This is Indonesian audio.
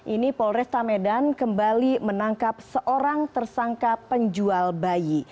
ini polresta medan kembali menangkap seorang tersangka penjual bayi